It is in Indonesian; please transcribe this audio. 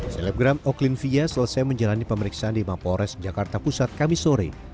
selebgram oklin via selesai menjalani pemeriksaan di mapores jakarta pusat kami sore